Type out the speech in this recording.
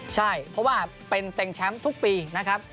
ใช่เพราะว่าเป็นเต็งแชมป์ทุกปีนะครับ